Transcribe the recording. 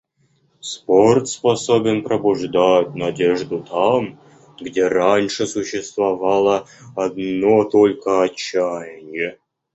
Спорт способен пробуждать надежду там, где раньше существовало одно только отчаяние.